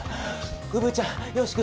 うぶちゃんよし君